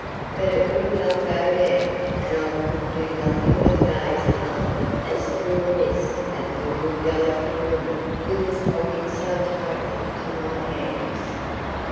But it would not go down, and I could do nothing but gaze hard as through a mist at the little delicate woman who was holding so tightly to my hands.